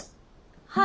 はい。